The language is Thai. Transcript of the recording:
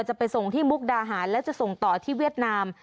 จะไปส่งที่มุกดาหารและจะส่งต่อที่เวียดนาม